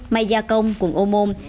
mai gia công quận ô môn